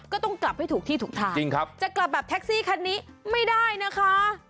ก็ต้องกลับให้ถูกที่ถูกทางจริงครับจะกลับแบบแท็กซี่คันนี้ไม่ได้นะคะ